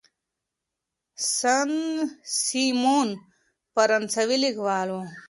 سن سیمون فرانسوي لیکوال و.